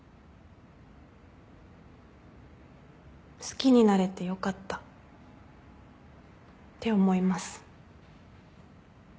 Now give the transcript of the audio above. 好きになれてよかったって思います。